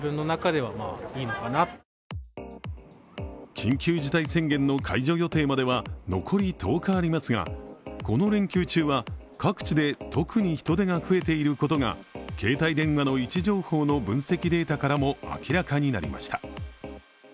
緊急事態宣言の解除予定までは残り１０日ありますがこの連休中は各地で特に人出が増えていることが携帯電話の位置情報の分析データからも明らかになりました。